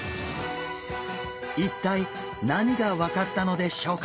一体何が分かったのでしょうか？